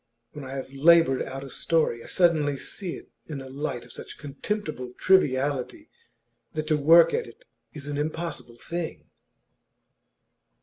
When I have laboured out a story, I suddenly see it in a light of such contemptible triviality that to work at it is an impossible thing.